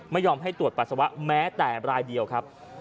ไม่ยอมให้ตรวจปัสสาวะแม้แต่รายเดียวครับ